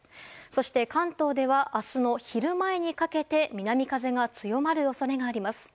そして関東では明日の昼前にかけて雨風が強まる恐れがあります。